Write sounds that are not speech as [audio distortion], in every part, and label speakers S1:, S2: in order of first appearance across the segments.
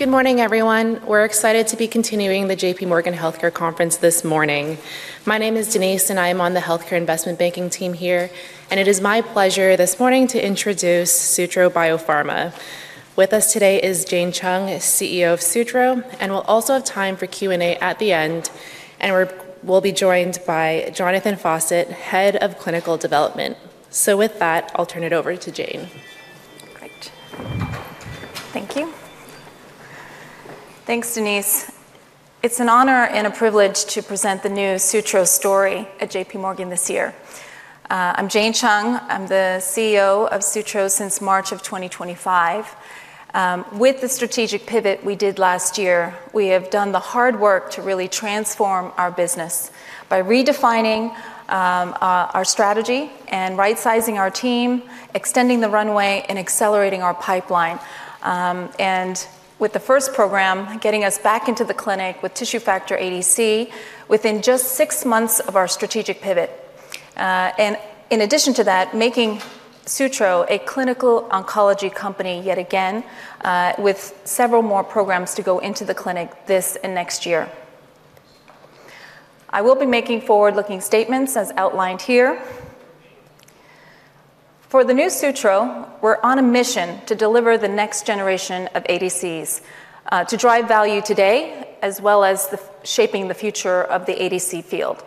S1: Good morning, everyone. We're excited to be continuing the J.P. Morgan Healthcare Conference this morning. My name is Denise, and I am on the Healthcare Investment Banking team here, and it is my pleasure this morning to introduce Sutro Biopharma. With us today is Jane Chung, CEO of Sutro, and we'll also have time for Q&A at the end, and we'll be joined by Jonathan Fawcett, Head of Clinical Development. With that, I'll turn it over to Jane.
S2: Great. Thank you. Thanks, Denise. It's an honor and a privilege to present the new Sutro story at JPMorgan this year. I'm Jane Chung. I'm the CEO of Sutro since March of 2025. With the strategic pivot we did last year, we have done the hard work to really transform our business by redefining our strategy and right-sizing our team, extending the runway, and accelerating our pipeline, and with the first program getting us back into the clinic with Tissue Factor ADC within just six months of our strategic pivot, and in addition to that, making Sutro a clinical oncology company yet again, with several more programs to go into the clinic this and next year. I will be making forward-looking statements as outlined here. For the new Sutro, we're on a mission to deliver the next generation of ADCs to drive value today, as well as shaping the future of the ADC field.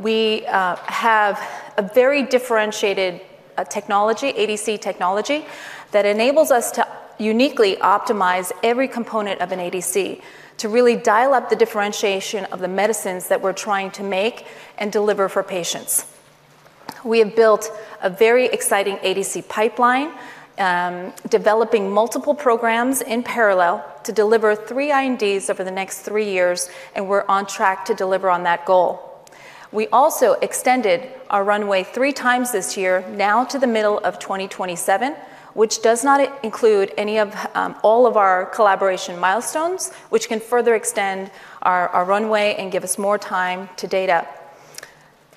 S2: We have a very differentiated technology, ADC technology, that enables us to uniquely optimize every component of an ADC to really dial up the differentiation of the medicines that we're trying to make and deliver for patients. We have built a very exciting ADC pipeline, developing multiple programs in parallel to deliver three INDs over the next three years, and we're on track to deliver on that goal. We also extended our runway three times this year, now to the middle of 2027, which does not include any of all of our collaboration milestones, which can further extend our runway and give us more time to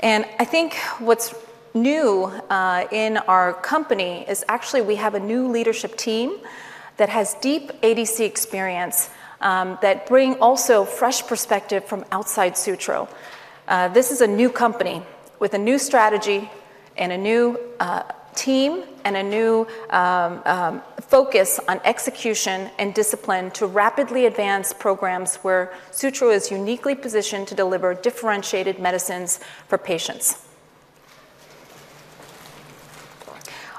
S2: data. I think what's new in our company is actually we have a new leadership team that has deep ADC experience that brings also fresh perspective from outside Sutro. This is a new company with a new strategy and a new team and a new focus on execution and discipline to rapidly advance programs where Sutro is uniquely positioned to deliver differentiated medicines for patients.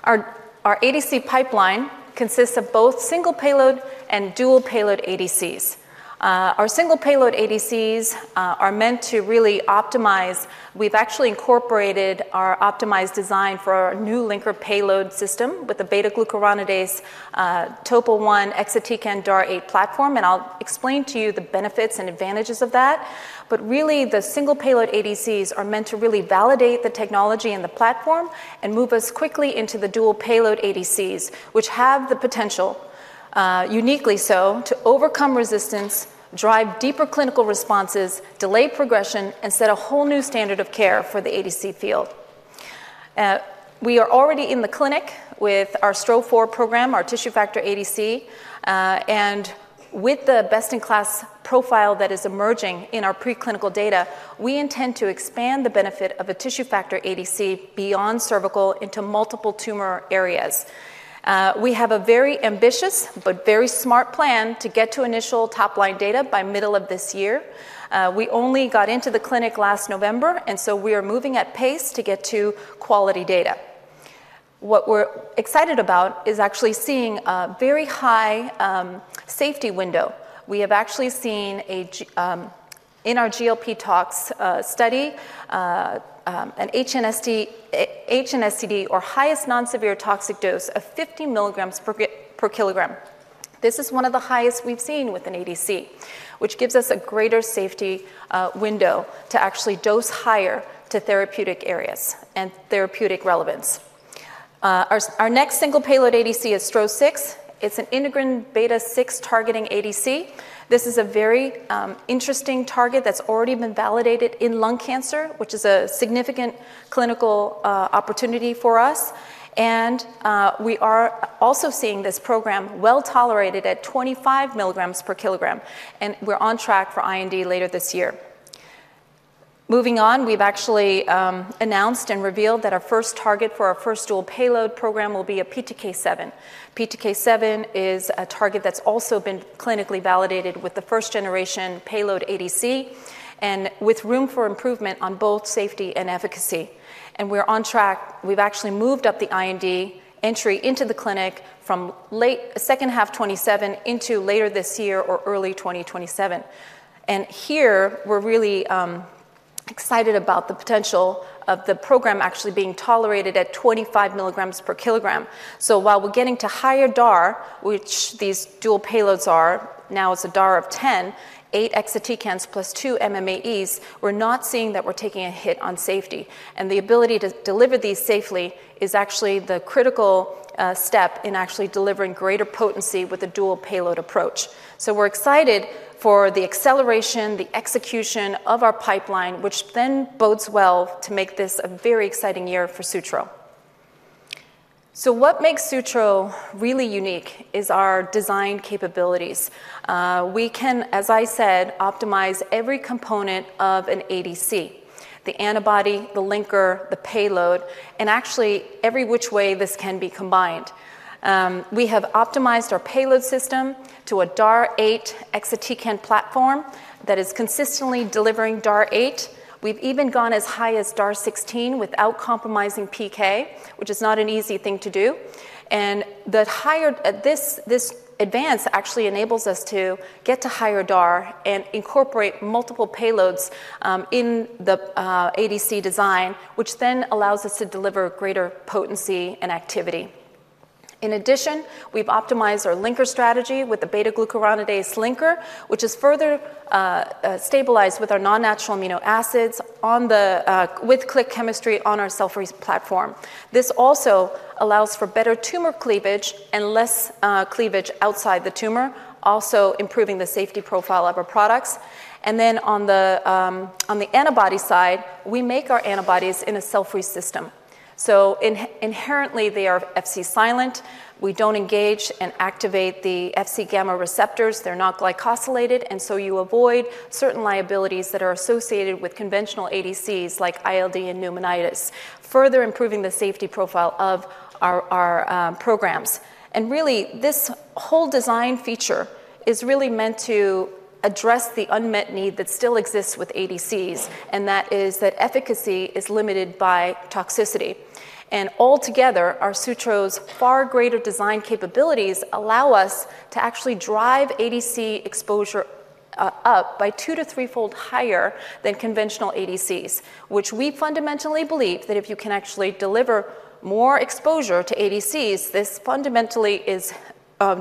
S2: Our ADC pipeline consists of both single payload and dual payload ADCs. Our single payload ADCs are meant to really optimize. We've actually incorporated our optimized design for our new linker payload system with the beta-glucuronidase Topo I, Exatecan, and DAR-8 platform. I'll explain to you the benefits and advantages of that. But really, the single payload ADCs are meant to really validate the technology and the platform and move us quickly into the dual payload ADCs, which have the potential, uniquely so, to overcome resistance, drive deeper clinical responses, delay progression, and set a whole new standard of care for the ADC field. We are already in the clinic with our STRO-004 program, our Tissue Factor ADC. And with the best-in-class profile that is emerging in our preclinical data, we intend to expand the benefit of a Tissue Factor ADC beyond cervical into multiple tumor areas. We have a very ambitious but very smart plan to get to initial top-line data by middle of this year. We only got into the clinic last November, and so we are moving at pace to get to quality data. What we're excited about is actually seeing a very high safety window. We have actually seen in our GLP tox study an HNSTD, or highest non-severely toxic dose of 50 milligrams per kilogram. This is one of the highest we've seen with an ADC, which gives us a greater safety window to actually dose higher to therapeutic areas and therapeutic relevance. Our next single payload ADC is STRO-006. It's an integrin beta-6 targeting ADC. This is a very interesting target that's already been validated in lung cancer, which is a significant clinical opportunity for us. And we are also seeing this program well tolerated at 25 milligrams per kilogram. And we're on track for IND later this year. Moving on, we've actually announced and revealed that our first target for our first dual payload program will be a PTK7. PTK7 is a target that's also been clinically validated with the first-generation payload ADC and with room for improvement on both safety and efficacy. And we're on track. We've actually moved up the IND entry into the clinic from late second half 2027 into later this year or early 2027. And here, we're really excited about the potential of the program actually being tolerated at 25 milligrams per kilogram. So while we're getting to higher DAR, which these dual payloads are, now it's a DAR of 10, eight Exatecans plus two MMAEs, we're not seeing that we're taking a hit on safety. And the ability to deliver these safely is actually the critical step in actually delivering greater potency with a dual payload approach. So we're excited for the acceleration, the execution of our pipeline, which then bodes well to make this a very exciting year for Sutro. So what makes Sutro really unique is our design capabilities. We can, as I said, optimize every component of an ADC: the antibody, the linker, the payload, and actually every which way this can be combined. We have optimized our payload system to a DAR-8 Exatecan platform that is consistently delivering DAR-8. We've even gone as high as DAR-16 without compromising PK, which is not an easy thing to do. And this advance actually enables us to get to higher DAR and incorporate multiple payloads in the ADC design, which then allows us to deliver greater potency and activity. In addition, we've optimized our linker strategy with the beta-glucuronidase linker, which is further stabilized with our non-natural amino acids with click chemistry on our self-release platform. This also allows for better tumor cleavage and less cleavage outside the tumor, also improving the safety profile of our products. Then on the antibody side, we make our antibodies in a self-release system. So inherently, they are Fc silent. We don't engage and activate the Fc gamma receptors. They're not glycosylated. And so you avoid certain liabilities that are associated with conventional ADCs like ILD and pneumonitis, further improving the safety profile of our programs. And really, this whole design feature is really meant to address the unmet need that still exists with ADCs, and that is that efficacy is limited by toxicity. And altogether, our Sutro's far greater design capabilities allow us to actually drive ADC exposure up by two to three-fold higher than conventional ADCs, which we fundamentally believe that if you can actually deliver more exposure to ADCs, this fundamentally is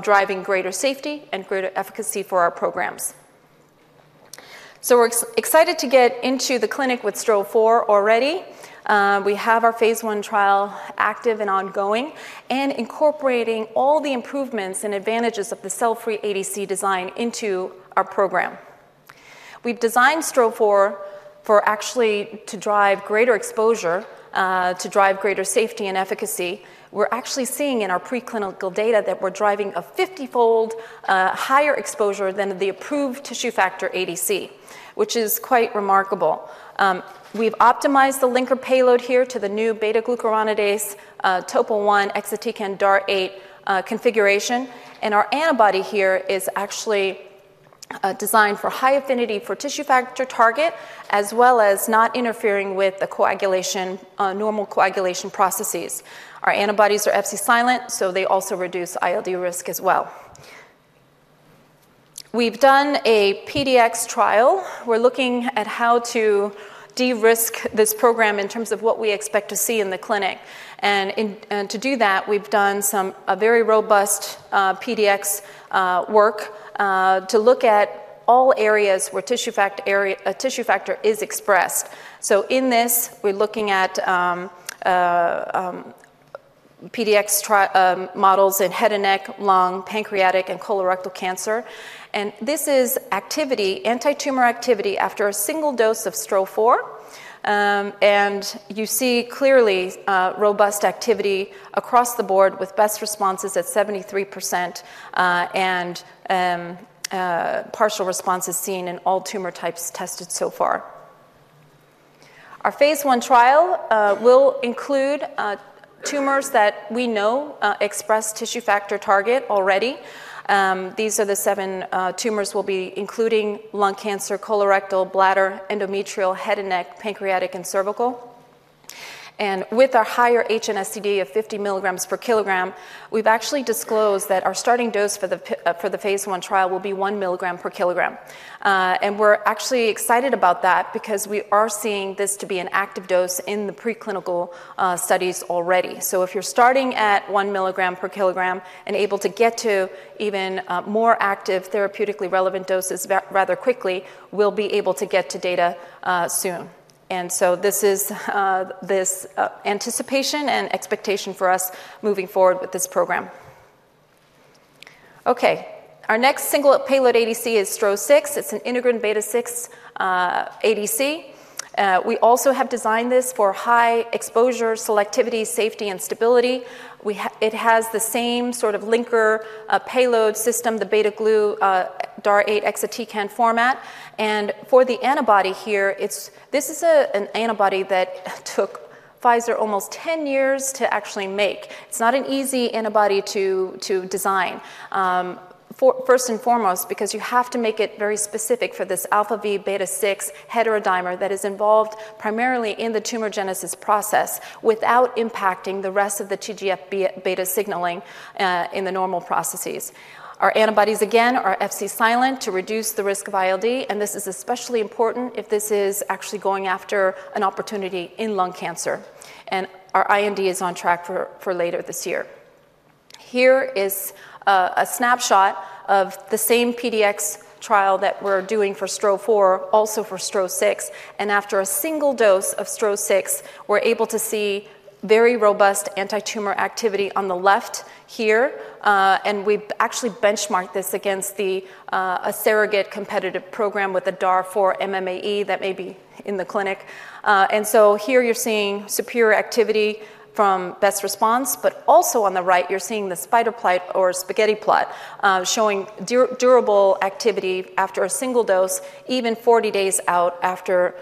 S2: driving greater safety and greater efficacy for our programs. So we're excited to get into the clinic with STRO-004 already. We have our phase I trial active and ongoing and incorporating all the improvements and advantages of the self-release ADC design into our program. We've designed STRO-004 actually to drive greater exposure, to drive greater safety and efficacy. We're actually seeing in our preclinical data that we're driving a 50-fold higher exposure than the approved Tissue Factor ADC, which is quite remarkable. We've optimized the linker payload here to the new beta-glucuronidase topo I, Exatecan, and DAR-8 configuration. Our antibody here is actually designed for high affinity for tissue factor target, as well as not interfering with the normal coagulation processes. Our antibodies are Fc silent, so they also reduce ILD risk as well. We've done a PDX trial. We're looking at how to de-risk this program in terms of what we expect to see in the clinic. And to do that, we've done some very robust PDX work to look at all areas where tissue factor is expressed. So in this, we're looking at PDX models in head and neck, lung, pancreatic, and colorectal cancer. And this is activity, anti-tumor activity after a single dose of STRO-004. And you see clearly robust activity across the board with best responses at 73% and partial responses seen in all tumor types tested so far. Our phase I trial will include tumors that we know express tissue factor target already. These are the seven tumors we'll be including: lung cancer, colorectal, bladder, endometrial, head and neck, pancreatic, and cervical. And with our higher HNSTD of 50 milligrams per kilogram, we've actually disclosed that our starting dose for the phase I trial will be one milligram per kilogram. We're actually excited about that because we are seeing this to be an active dose in the preclinical studies already. If you're starting at one milligram per kilogram and able to get to even more active therapeutically relevant doses rather quickly, we'll be able to get to data soon. This is this anticipation and expectation for us moving forward with this program. Okay. Our next single payload ADC is STRO-006. It's an integrin beta-6 ADC. We also have designed this for high exposure, selectivity, safety, and stability. It has the same sort of linker payload system, the beta-glucuronidase DAR-8 Exatecan format. And for the antibody here, this is an antibody that took Pfizer almost 10 years to actually make. It's not an easy antibody to design, first and foremost, because you have to make it very specific for this alpha V beta-6 heterodimer that is involved primarily in the tumorigenesis process without impacting the rest of the TGF beta signaling in the normal processes. Our antibodies, again, are Fc silent to reduce the risk of ILD. And this is especially important if this is actually going after an opportunity in lung cancer. And our IND is on track for later this year. Here is a snapshot of the same PDX trial that we're doing for STRO-004, also for STRO-006. And after a single dose of STRO-006, we're able to see very robust anti-tumor activity on the left here. And we've actually benchmarked this against the AstraZeneca competitive program with the DAR-4 MMAE that may be in the clinic. And so here you're seeing superior activity from best response. But also on the right, you're seeing the spider plot or spaghetti plot showing durable activity after a single dose, even 40 days out after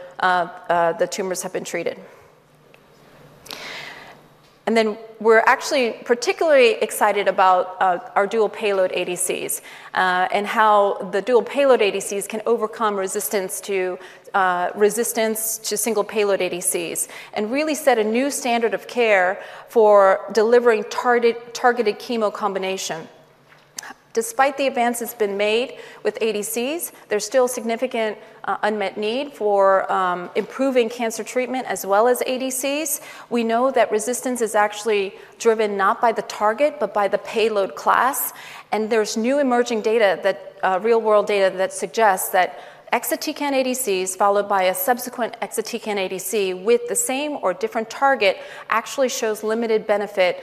S2: the tumors have been treated. And then we're actually particularly excited about our dual payload ADCs and how the dual payload ADCs can overcome resistance to single payload ADCs and really set a new standard of care for delivering targeted chemo combination. Despite the advances been made with ADCs, there's still significant unmet need for improving cancer treatment as well as ADCs. We know that resistance is actually driven not by the target, but by the payload class. And there's new emerging data, real-world data that suggests that Exatecan ADCs followed by a subsequent Exatecan ADC with the same or different target actually shows limited benefit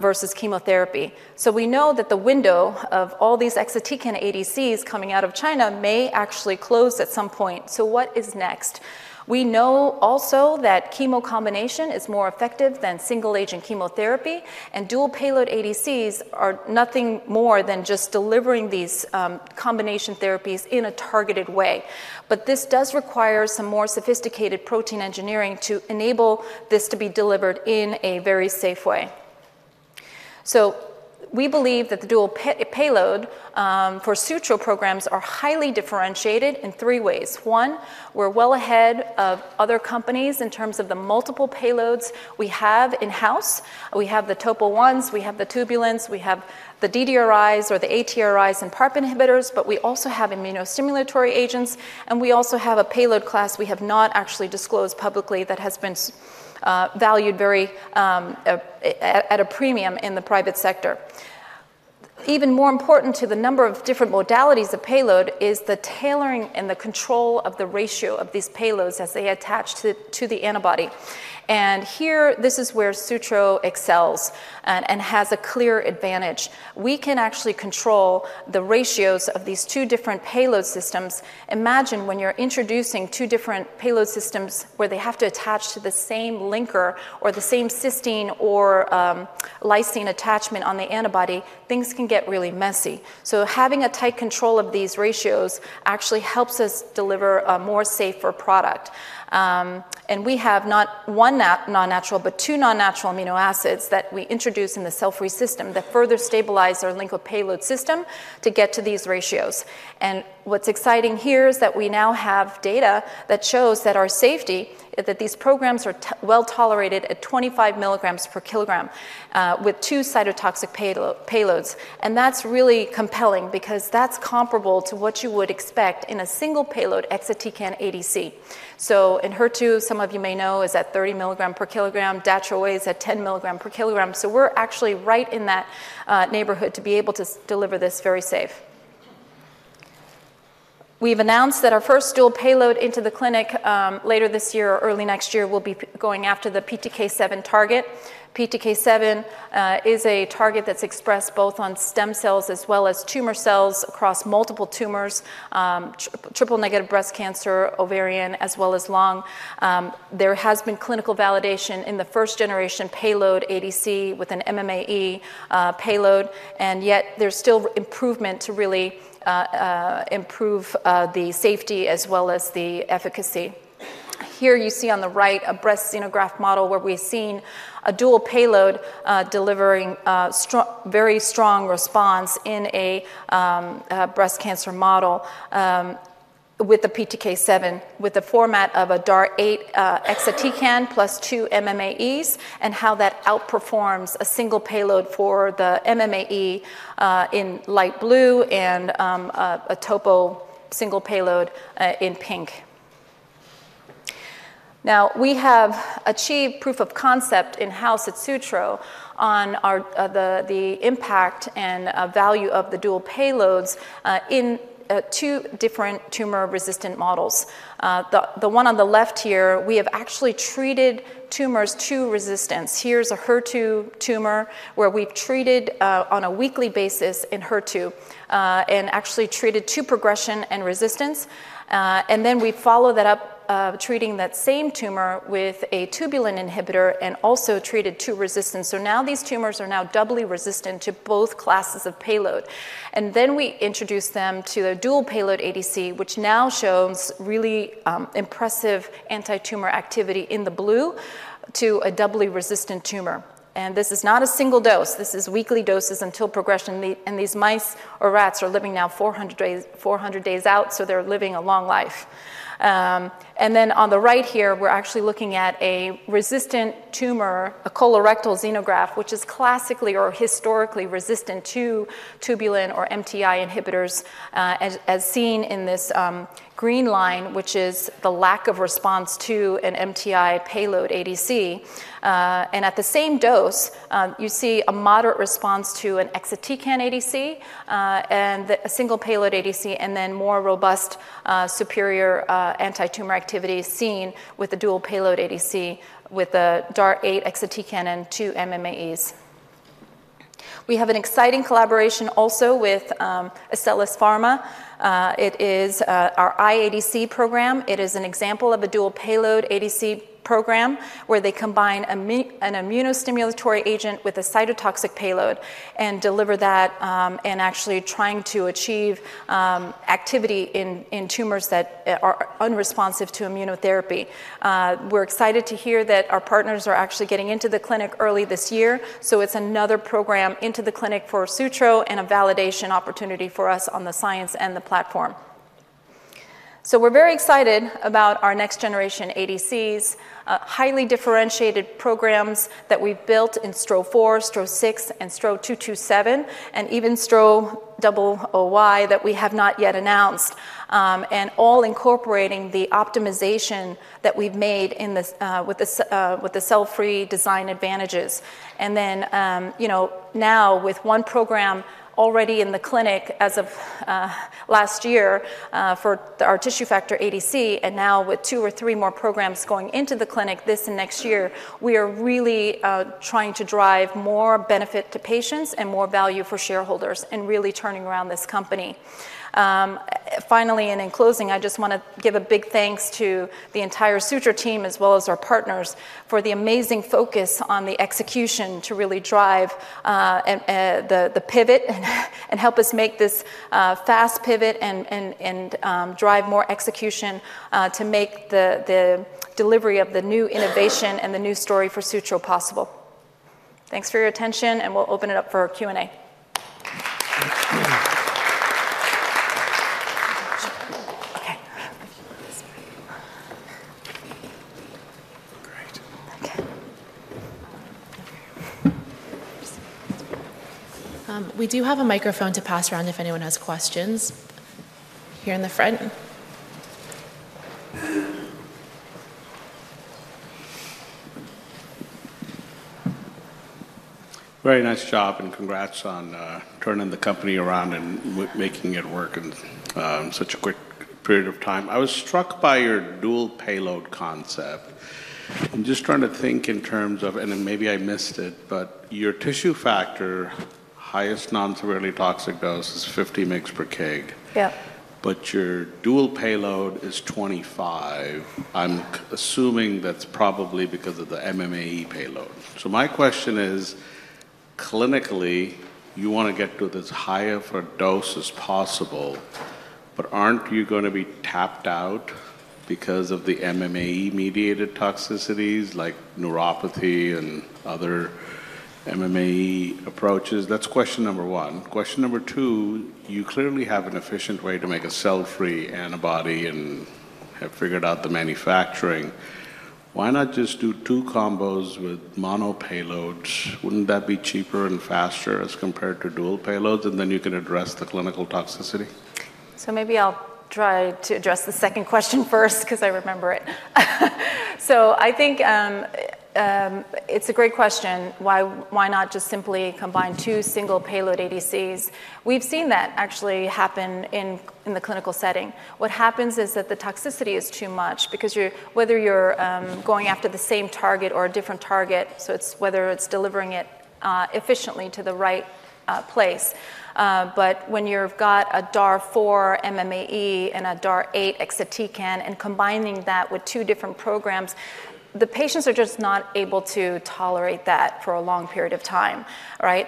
S2: versus chemotherapy. So we know that the window of all these Exatecan ADCs coming out of China may actually close at some point. So what is next? We know also that chemo combination is more effective than single-agent chemotherapy. And dual payload ADCs are nothing more than just delivering these combination therapies in a targeted way. But this does require some more sophisticated protein engineering to enable this to be delivered in a very safe way. So we believe that the dual payload for Sutro programs are highly differentiated in three ways. One, we're well ahead of other companies in terms of the multiple payloads we have in-house. We have the Topo I's, we have the tubulins, we have the DDRIs or the ATRIs and PARP inhibitors, but we also have immunostimulatory agents. And we also have a payload class we have not actually disclosed publicly that has been valued very at a premium in the private sector. Even more important to the number of different modalities of payload is the tailoring and the control of the ratio of these payloads as they attach to the antibody. And here, this is where Sutro excels and has a clear advantage. We can actually control the ratios of these two different payload systems. Imagine when you're introducing two different payload systems where they have to attach to the same linker or the same cysteine or lysine attachment on the antibody, things can get really messy. So having a tight control of these ratios actually helps us deliver a more safer product. And we have not one non-natural, but two non-natural amino acids that we introduce in the cell-free system that further stabilize our linker payload system to get to these ratios. And what's exciting here is that we now have data that shows that our safety, that these programs are well tolerated at 25 milligrams per kilogram with two cytotoxic payloads. And that's really compelling because that's comparable to what you would expect in a single payload Exatecan ADC. So in HER2, some of you may know is at 30 milligrams per kilogram. Dato is at 10 milligrams per kilogram. So we're actually right in that neighborhood to be able to deliver this very safe. We've announced that our first dual payload into the clinic later this year or early next year will be going after the PTK7 target. PTK7 is a target that's expressed both on stem cells as well as tumor cells across multiple tumors, triple-negative breast cancer, ovarian, as well as lung. There has been clinical validation in the first-generation payload ADC with an MMAE payload. Yet there's still improvement to really improve the safety as well as the efficacy. Here you see on the right a breast xenograft model where we've seen a dual payload delivering very strong response in a breast cancer model with the PTK7, with the format of a DAR-8 Exatecan plus two MMAEs and how that outperforms a single payload for the MMAE in light blue and a Topo I single payload in pink. Now, we have achieved proof of concept in-house at Sutro on the impact and value of the dual payloads in two different tumor-resistant models. The one on the left here, we have actually treated tumors to resistance. Here's a HER2 tumor where we've treated on a weekly basis in HER2 and actually treated to progression and resistance. And then we follow that up treating that same tumor with a tubulin inhibitor and also treated to resistance. So now these tumors are now doubly resistant to both classes of payload. And then we introduce them to a dual payload ADC, which now shows really impressive anti-tumor activity in the blue to a doubly resistant tumor. And this is not a single dose. This is weekly doses until progression. And these mice or rats are living now 400 days out, so they're living a long life. And then on the right here, we're actually looking at a resistant tumor, a colorectal xenograft, which is classically or historically resistant to tubulin or MTI inhibitors as seen in this green line, which is the lack of response to an MTI payload ADC. And at the same dose, you see a moderate response to an Exatecan ADC and a single payload ADC, and then more robust superior anti-tumor activity seen with a dual payload ADC with the DAR-8 Exatecan and two MMAEs. We have an exciting collaboration also with Astellas Pharma. It is our iADC program. It is an example of a dual payload ADC program where they combine an immunostimulatory agent with a cytotoxic payload and deliver that and actually trying to achieve activity in tumors that are unresponsive to immunotherapy. We're excited to hear that our partners are actually getting into the clinic early this year. So it's another program into the clinic for Sutro and a validation opportunity for us on the science and the platform. So we're very excited about our next-generation ADCs, highly differentiated programs that we've built in STRO-004, STRO-006, and STRO-227, and even STRO-001 that we have not yet announced, and all incorporating the optimization that we've made with the cell-free design advantages. And then now with one program already in the clinic as of last year for our tissue factor ADC, and now with two or three more programs going into the clinic this and next year, we are really trying to drive more benefit to patients and more value for shareholders and really turning around this company. Finally, and in closing, I just want to give a big thanks to the entire Sutro team as well as our partners for the amazing focus on the execution to really drive the pivot and help us make this fast pivot and drive more execution to make the delivery of the new innovation and the new story for Sutro possible. Thanks for your attention, and we'll open it up for Q&A.
S1: [audio distortion] Great. Okay. We do have a microphone to pass around if anyone has questions here in the front.
S3: Very nice job, and congrats on turning the company around and making it work in such a quick period of time. I was struck by your dual payload concept. I'm just trying to think in terms of, and maybe I missed it, but your tissue factor highest non-severely toxic dose is 50 mg/kg. Your dual payload is 25. I'm assuming that's probably because of the MMAE payload. So my question is, clinically, you want to get to this higher dose as possible, but aren't you going to be tapped out because of the MMAE-mediated toxicities like neuropathy and other MMAE approaches? That's question number one. Question number two, you clearly have an efficient way to make a cell-free antibody and have figured out the manufacturing. Why not just do two combos with mono payloads? Wouldn't that be cheaper and faster as compared to dual payloads? And then you can address the clinical toxicity.
S2: So maybe I'll try to address the second question first because I remember it. So I think it's a great question. Why not just simply combine two single payload ADCs? We've seen that actually happen in the clinical setting. What happens is that the toxicity is too much because whether you're going after the same target or a different target, so it's whether it's delivering it efficiently to the right place. But when you've got a DAR-4 MMAE and a DAR-8 Exatecan and combining that with two different programs, the patients are just not able to tolerate that for a long period of time.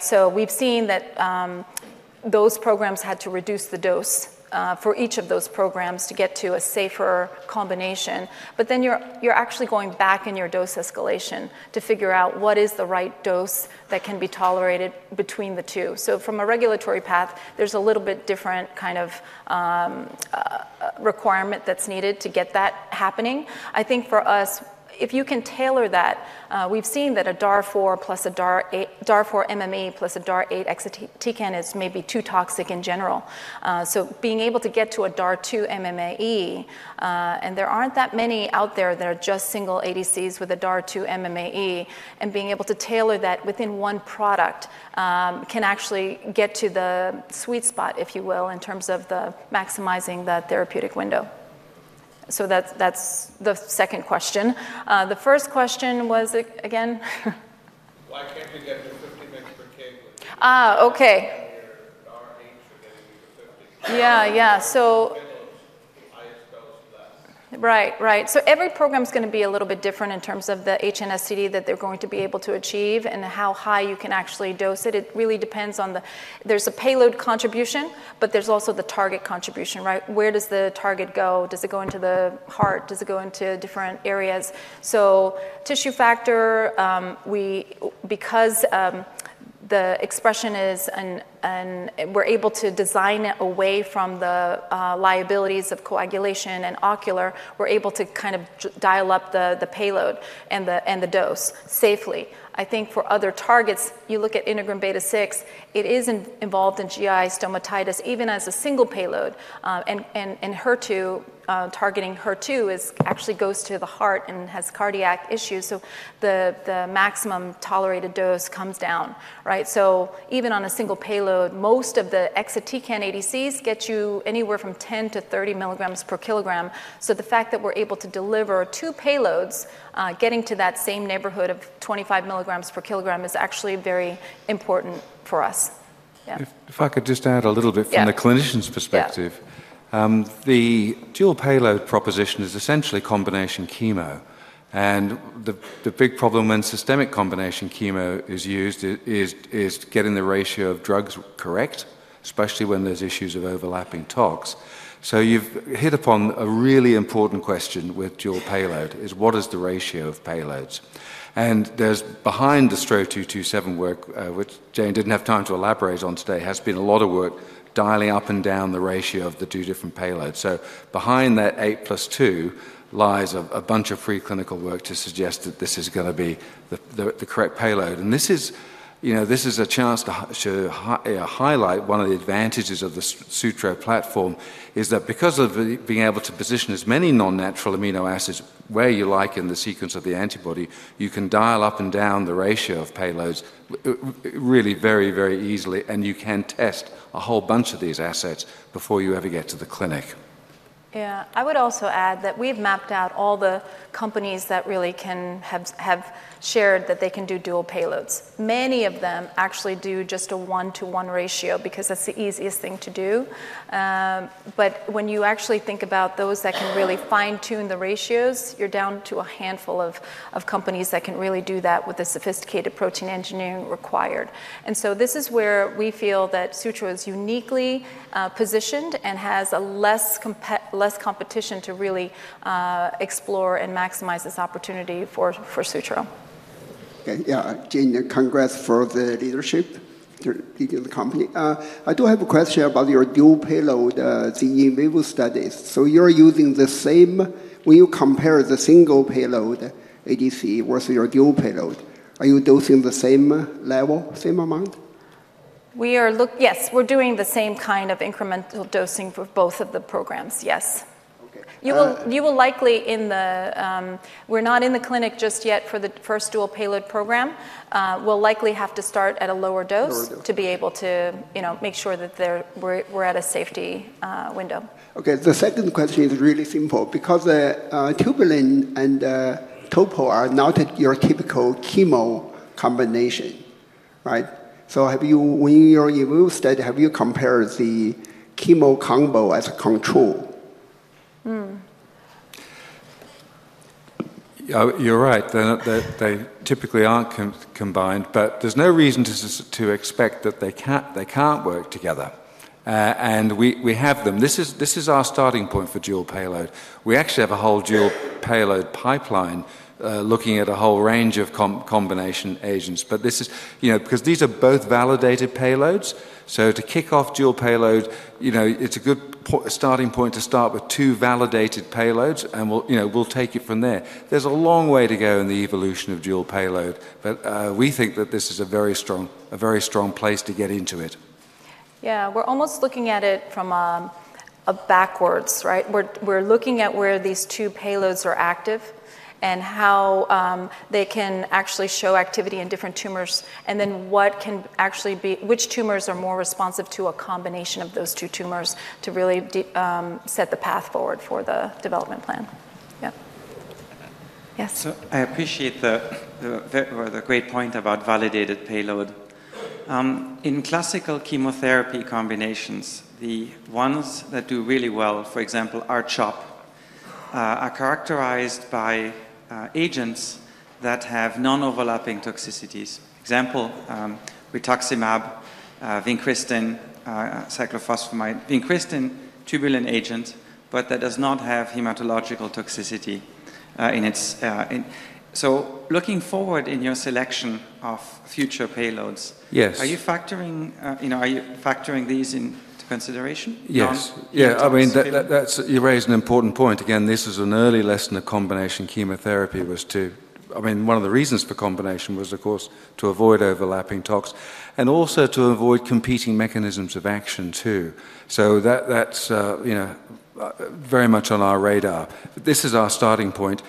S2: So we've seen that those programs had to reduce the dose for each of those programs to get to a safer combination. But then you're actually going back in your dose escalation to figure out what is the right dose that can be tolerated between the two. So from a regulatory path, there's a little bit different kind of requirement that's needed to get that happening. I think for us, if you can tailor that, we've seen that a DAR-4 plus a DAR-8 MMAE plus a DAR-8 Exatecan is maybe too toxic in general. So being able to get to a DAR-2 MMAE, and there aren't that many out there that are just single ADCs with a DAR-2 MMAE, and being able to tailor that within one product can actually get to the sweet spot, if you will, in terms of maximizing the therapeutic window. So that's the second question. The first question was, again?
S3: Why can't you get the 50 mg per kg?
S2: Okay. And your DAR-8s are getting you the 50. Yeah, yeah. So higher spells less. Right, right. So every program is going to be a little bit different in terms of the HNSTD that they're going to be able to achieve and how high you can actually dose it. It really depends on the payload contribution, but there's also the target contribution. Where does the target go? Does it go into the heart? Does it go into different areas? So Tissue Factor, because the expression is, and we're able to design it away from the liabilities of coagulation and ocular, we're able to kind of dial up the payload and the dose safely. I think for other targets, you look at Integrin beta-6, it is involved in GI stomatitis even as a single payload. And targeting HER2 actually goes to the heart and has cardiac issues. So the maximum tolerated dose comes down. So even on a single payload, most of the Exatecan ADCs get you anywhere from 10-30 mg/kg. So the fact that we're able to deliver two payloads getting to that same neighborhood of 25 milligrams per kilogram is actually very important for us. Yeah.
S4: If I could just add a little bit from the clinician's perspective. The dual payload proposition is essentially combination chemo. And the big problem when systemic combination chemo is used is getting the ratio of drugs correct, especially when there's issues of overlapping toxicities. So you've hit upon a really important question with dual payload is what is the ratio of payloads? And behind the STRO-227 work, which Jane didn't have time to elaborate on today, has been a lot of work dialing up and down the ratio of the two different payloads. So behind that 8 plus 2 lies a bunch of preclinical work to suggest that this is going to be the correct payload. And this is a chance to highlight one of the advantages of the Sutro platform is that because of being able to position as many non-natural amino acids where you like in the sequence of the antibody, you can dial up and down the ratio of payloads really very, very easily. And you can test a whole bunch of these assets before you ever get to the clinic.
S2: Yeah. I would also add that we've mapped out all the companies that really can have shared that they can do dual payloads. Many of them actually do just a one-to-one ratio because that's the easiest thing to do. But when you actually think about those that can really fine-tune the ratios, you're down to a handful of companies that can really do that with the sophisticated protein engineering required. This is where we feel that Sutro is uniquely positioned and has less competition to really explore and maximize this opportunity for Sutro.
S3: Yeah. Jane, congrats for the leadership to lead the company. I do have a question about your dual payload in vivo studies. So you're using the same when you compare the single payload ADC versus your dual payload, are you dosing the same level, same amount? Yes. We're doing the same kind of incremental dosing for both of the programs, yes. You will likely in the we're not in the clinic just yet for the first dual payload program. We'll likely have to start at a lower dose to be able to make sure that we're at a safety window. Okay. The second question is really simple because the tubulin and Topo are not your typical chemo combination. So when you're in in vivo study, have you compared the chemo combo as a control?
S4: You're right. They typically aren't combined, but there's no reason to expect that they can't work together. And we have them. This is our starting point for dual payload. We actually have a whole dual payload pipeline looking at a whole range of combination agents. But this is because these are both validated payloads. So to kick off dual payload, it's a good starting point to start with two validated payloads, and we'll take it from there. There's a long way to go in the evolution of dual payload, but we think that this is a very strong place to get into it.
S2: Yeah. We're almost looking at it from backwards. We're looking at where these two payloads are active and how they can actually show activity in different tumors and then what can actually be which tumors are more responsive to a combination of those two tumors to really set the path forward for the development plan. Yeah.
S3: Yes. So I appreciate the great point about validated payload. In classical chemotherapy combinations, the ones that do really well, for example, R-CHOP, are characterized by agents that have non-overlapping toxicities. Example, rituximab, vincristine, cyclophosphamide. Vincristine, tubulin agent, but that does not have hematological toxicity in itself so looking forward in your selection of future payloads, are you factoring these into consideration?
S4: Yes. Yeah. I mean, you raised an important point. Again, this is an early lesson of combination chemotherapy was to. I mean, one of the reasons for combination was, of course, to avoid overlapping tox and also to avoid competing mechanisms of action too. So that's very much on our radar. This is our starting point.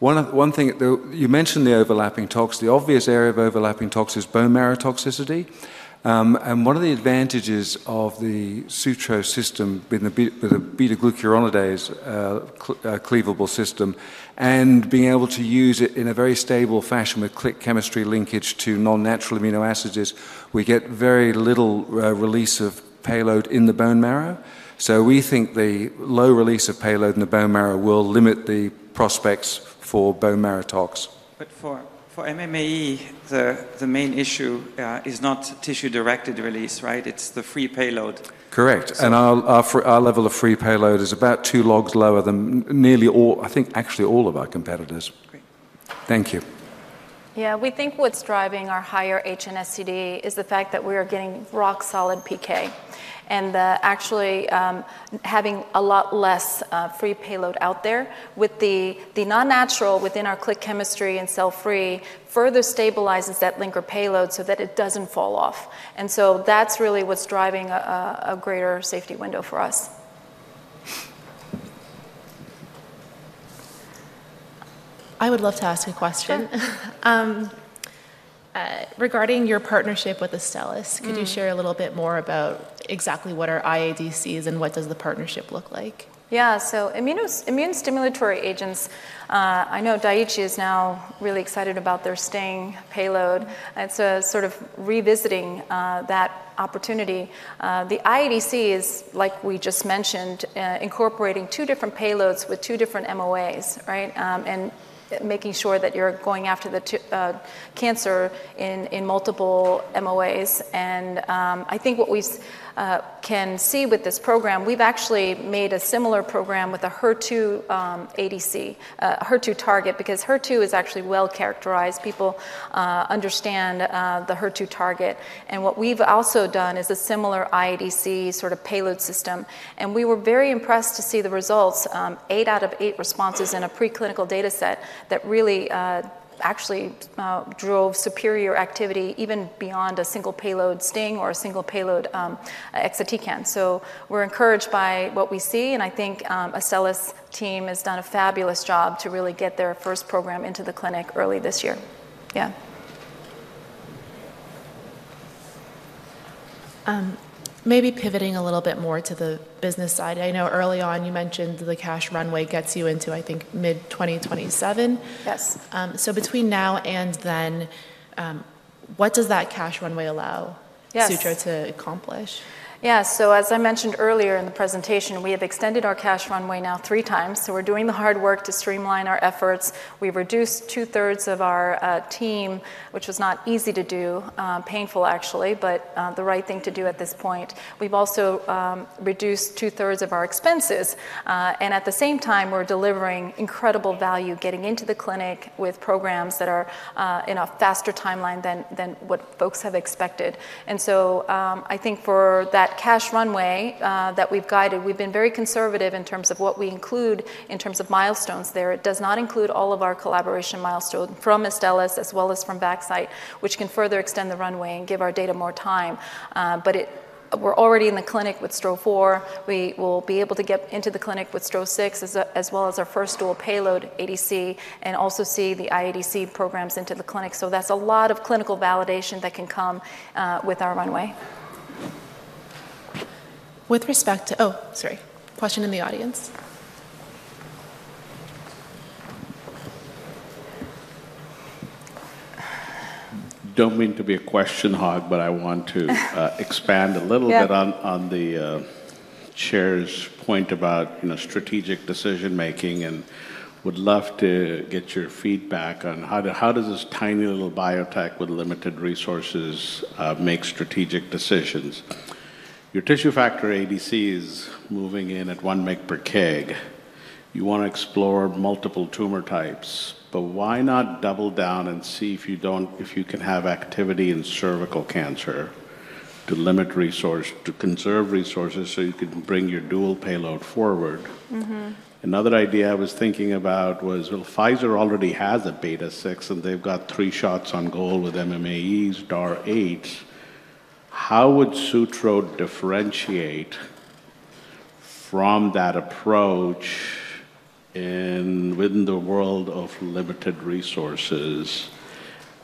S4: One thing you mentioned, the overlapping tox. The obvious area of overlapping tox is bone marrow toxicity. And one of the advantages of the Sutro system with the beta-glucuronidase cleavable system and being able to use it in a very stable fashion with click chemistry linkage to non-natural amino acids. We get very little release of payload in the bone marrow. So we think the low release of payload in the bone marrow will limit the prospects for bone marrow tox.
S3: But for MMAE, the main issue is not tissue-directed release, right? It's the free payload.
S4: Correct. Our level of free payload is about two logs lower than nearly all, I think actually all of our competitors.
S3: Okay.
S4: Thank you.
S2: Yeah. We think what's driving our higher HNSTD is the fact that we are getting rock-solid PK and actually having a lot less free payload out there with the non-natural within our click chemistry and cell-free further stabilizes that linker payload so that it doesn't fall off. So that's really what's driving a greater safety window for us. I would love to ask a question. Regarding your partnership with Astellas, could you share a little bit more about exactly what are iADCs and what does the partnership look like? Yeah. So immune stimulatory agents, I know Daiichi is now really excited about their STING payload. It's a sort of revisiting that opportunity. The iADC is, like we just mentioned, incorporating two different payloads with two different MOAs and making sure that you're going after the cancer in multiple MOAs. I think what we can see with this program, we've actually made a similar program with a HER2 target because HER2 is actually well characterized. People understand the HER2 target. What we've also done is a similar iADC sort of payload system. We were very impressed to see the results, eight out of eight responses in a preclinical data set that really actually drove superior activity even beyond a single payload STING or a single payload Exatecan. We're encouraged by what we see. I think Astellas' team has done a fabulous job to really get their first program into the clinic early this year. Yeah.
S1: Maybe pivoting a little bit more to the business side. I know early on you mentioned the cash runway gets you into, I think, mid-2027. So between now and then, what does that cash runway allow Sutro to accomplish?
S2: Yeah, so as I mentioned earlier in the presentation, we have extended our cash runway now three times, so we're doing the hard work to streamline our efforts. We've reduced two-thirds of our team, which was not easy to do, painful actually, but the right thing to do at this point. We've also reduced two-thirds of our expenses, and at the same time, we're delivering incredible value getting into the clinic with programs that are in a faster timeline than what folks have expected, and so I think for that cash runway that we've guided, we've been very conservative in terms of what we include in terms of milestones there. It does not include all of our collaboration milestones from Astellas as well as from Vaxcyte, which can further extend the runway and give our data more time. But we're already in the clinic with STRO-004. We will be able to get into the clinic with STRO-006 as well as our first dual payload ADC and also see the iADC programs into the clinic. So that's a lot of clinical validation that can come with our runway.
S1: With respect to oh, sorry. Question in the audience.
S5: Don't mean to be a question hog, but I want to expand a little bit on the chair's point about strategic decision-making and would love to get your feedback on how does this tiny little biotech with limited resources make strategic decisions. Your tissue factor ADC is moving in at 1 mg/kg. You want to explore multiple tumor types, but why not double down and see if you can have activity in cervical cancer to limit resource, to conserve resources so you can bring your dual payload forward? Another idea I was thinking about was Pfizer already has a beta-6 and they've got three shots on goal with MMAEs, DAR8s. How would Sutro differentiate from that approach within the world of limited resources?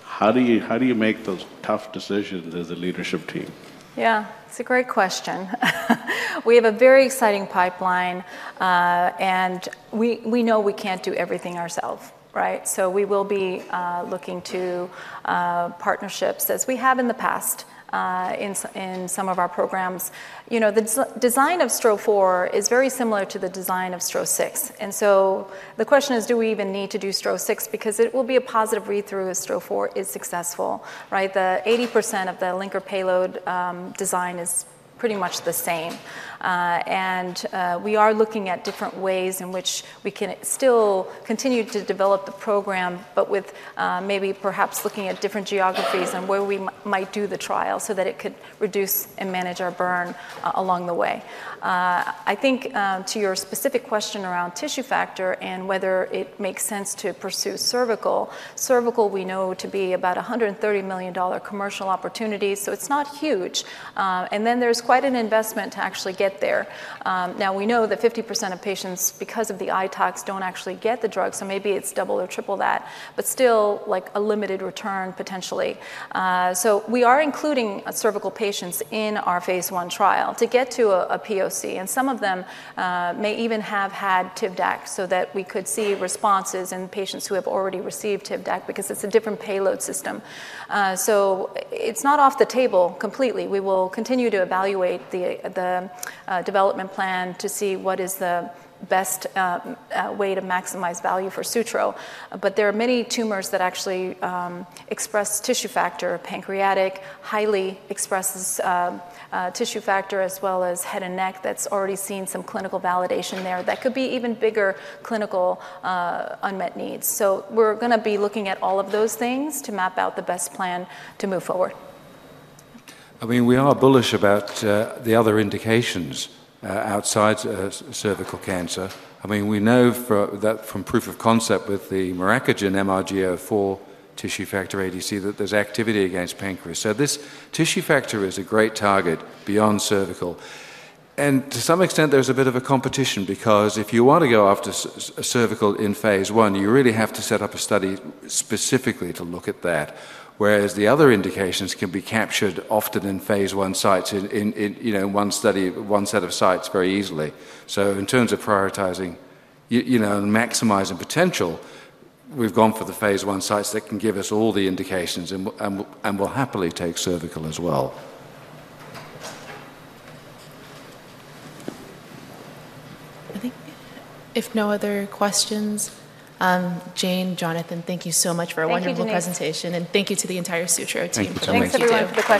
S5: How do you make those tough decisions as a leadership team?
S2: Yeah. It's a great question. We have a very exciting pipeline, and we know we can't do everything ourselves. So we will be looking to partnerships as we have in the past in some of our programs. The design of STRO-004 is very similar to the design of STRO-006. And so the question is, do we even need to do STRO-006? Because it will be a positive read-through if STRO-004 is successful. The 80% of the linker payload design is pretty much the same. We are looking at different ways in which we can still continue to develop the program, but with maybe perhaps looking at different geographies and where we might do the trial so that it could reduce and manage our burn along the way. I think to your specific question around tissue factor and whether it makes sense to pursue cervical, cervical we know to be about $130 million commercial opportunity. So it's not huge. And then there's quite an investment to actually get there. Now, we know that 50% of patients because of the eye tox don't actually get the drug. So maybe it's double or triple that, but still a limited return potentially. So we are including cervical patients in our phase I trial to get to a POC. And some of them may even have had Tivdak so that we could see responses in patients who have already received Tivdak because it's a different payload system. So it's not off the table completely. We will continue to evaluate the development plan to see what is the best way to maximize value for Sutro. But there are many tumors that actually express tissue factor, pancreatic highly expresses tissue factor as well as head and neck that's already seen some clinical validation there that could be even bigger clinical unmet needs. So we're going to be looking at all of those things to map out the best plan to move forward.
S4: I mean, we are bullish about the other indications outside cervical cancer. I mean, we know that from proof of concept with the Miracogen, MRG004A, tissue factor ADC that there's activity against pancreas. So this tissue factor is a great target beyond cervical. And to some extent, there's a bit of a competition because if you want to go after cervical in phase I, you really have to set up a study specifically to look at that. Whereas the other indications can be captured often in phase I sites in one study, one set of sites very easily. So in terms of prioritizing and maximizing potential, we've gone for the phase I sites that can give us all the indications and will happily take cervical as well.
S1: I think if no other questions, Jane, Jonathan, thank you so much for a wonderful presentation. And thank you to the entire Sutro team.
S2: Thanks everyone for the questions.